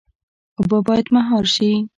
اوبه باید مهار شي